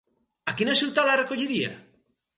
A quina ciutat la recolliria?